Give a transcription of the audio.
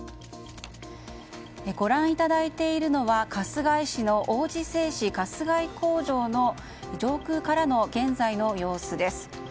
ご覧いただいているのは春日井市の王子製紙春日井工場の上空からの現在の様子です。